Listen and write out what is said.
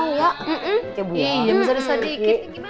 iya bisa sedikit